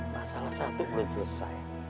masalah satu belum selesai